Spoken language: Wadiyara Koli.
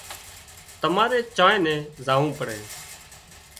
تماري چانئين نين زاوون پڙي